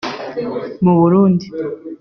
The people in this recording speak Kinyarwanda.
mu Burundi